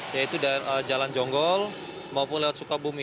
yaitu jalan jonggol maupun lewat sukabumi